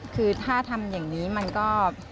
คือถ้าทำอย่างนี้มันก็